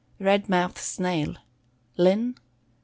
Red Mouth Snail. Linn.